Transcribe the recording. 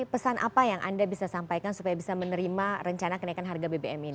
pesan apa yang anda bisa sampaikan supaya bisa menerima rencana kenaikan harga bbm ini